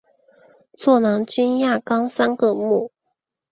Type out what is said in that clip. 座囊菌亚纲三个目。